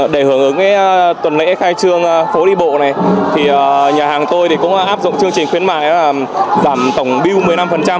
để hưởng ứng tuần lễ khai trương phố đi bộ này thì nhà hàng tôi cũng áp dụng chương trình khuyến mại giảm tổng biêu một mươi năm